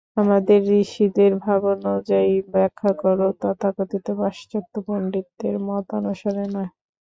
আমাদের ঋষিদের ভাবানুযায়ী ব্যাখ্যা কর, তথাকথিত পাশ্চাত্য পণ্ডিতদের মতানুসারে নয়।